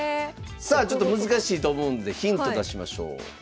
さあちょっと難しいと思うんでヒント出しましょう。